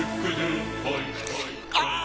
ああ！